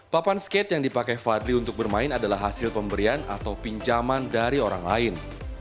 papan skate yang dipakai fadli untuk bermain adalah hasil pemberian atau pinjaman dari orang lain